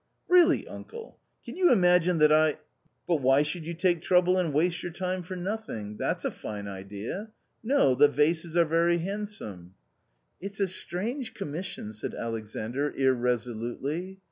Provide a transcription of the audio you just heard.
" Really, uncle, can you imagine that I "" But why should you take trouble and waste your time for nothing ? That's a fine idea ! No ! the vases are very handsome." " It's a strange commission !" said Alexandr irreso lutely.